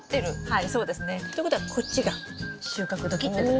はいそうですね。ということはこっちが収穫時ってことです。